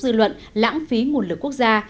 dư luận lãng phí nguồn lực quốc gia